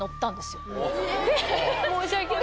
申し訳ない。